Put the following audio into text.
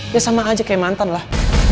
ya sama aja kayak mantan lah